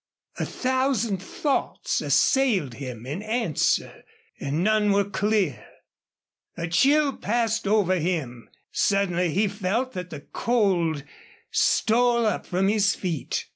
A thousand thoughts assailed him in answer and none were clear. A chill passed over him. Suddenly he felt that the cold stole up from his feet.